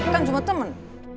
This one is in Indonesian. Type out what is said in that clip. kan cuma temen